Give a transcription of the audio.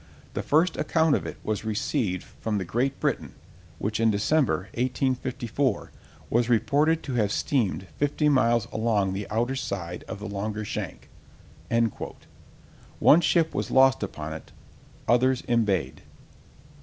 The first account of it was received from the Great Britain, which in December, 1854, was reported to have steamed 50 miles along the outer side of the longer shank." One ship was lost upon it: others embayed.